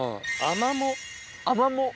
アマモ。